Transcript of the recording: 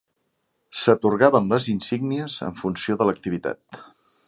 S'atorgaven les insígnies en funció de l'activitat.